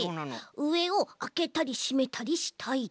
うえをあけたりしめたりしたいと。